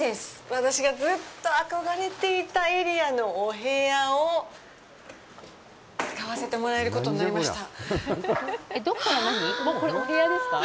私がずっと憧れていたエリアのお部屋を使わせてもらえることになりました。